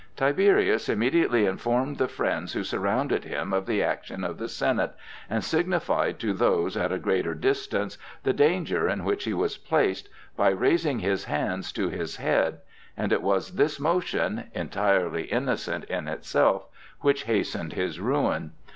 Tiberius immediately informed the friends who surrounded him of the action of the Senate, and signified to those at a greater distance the danger in which he was placed, by raising his hands to his head,—and it was this motion, entirely innocent in itself, which hastened his ruin.